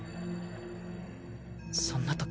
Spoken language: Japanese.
そんな時。